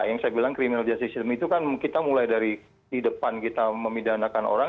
yang saya bilang criminal justice system itu kan kita mulai dari di depan kita memidanakan orang